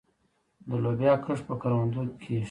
د لوبیا کښت په کروندو کې کیږي.